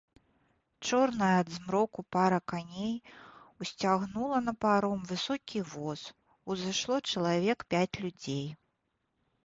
Чорная ад змроку пара коней усцягнула на паром высокі воз, узышло чалавек пяць людзей.